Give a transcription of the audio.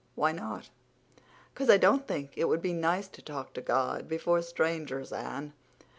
"Why not?" "'Cause I don't think it would be nice to talk to God before strangers, Anne.